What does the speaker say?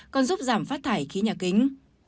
còn giúp giảm phát thải khí nhà kính